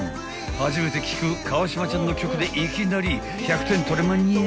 ［初めて聴く川島ちゃんの曲でいきなり１００点取れまんにゃ？］